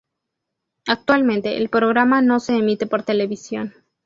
Actualmente el programa no se emite por televisión.